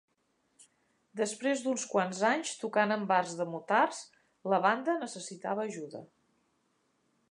Després d'uns quants anys tocant en bars de motards, la banda necessitava ajuda.